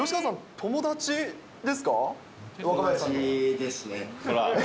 友達ですね。